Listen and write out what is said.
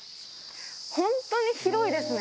本当に広いですね。